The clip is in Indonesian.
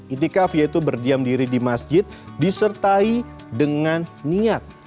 itikaf yaitu berdiam diri di masjid disertai dengan niat